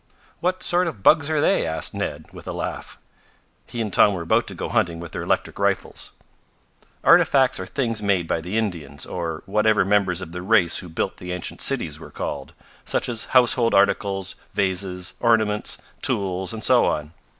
"What sort of bugs are they?" asked Ned with a laugh. He and Tom were about to go hunting with their electric rifles. "Artifacts are things made by the Indians or whatever members of the race who built the ancient cities were called such as household articles, vases, ornaments, tools and so on.